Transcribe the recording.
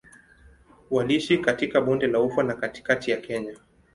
Waliishi katika Bonde la Ufa na katikati ya Kenya.